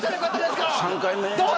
３回目。